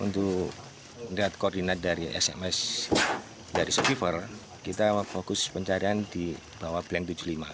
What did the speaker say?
untuk melihat koordinat dari sms dari sukifar kita fokus pencarian di bawah blank tujuh puluh lima